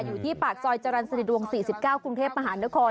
อยู่ที่ปากซอยจรรย์สนิทวง๔๙กรุงเทพมหานคร